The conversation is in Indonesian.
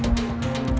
ya ada tiga orang